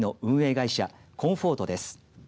会社コンフォートです。